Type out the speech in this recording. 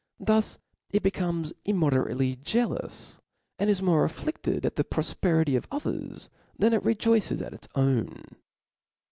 Thus it be comes imo^oderatply jealous, and is more affiled at the profperity of ochers> than it rqJQices at ioi a'wn.